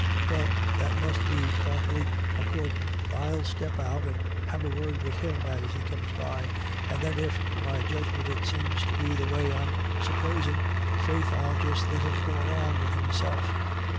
" Well, that must be partly accordin*. I'll step out and have a word with him as he comes by, and then if to my judgment it seems to be the way I'm supposin', faith, I'll just let him go along with himself.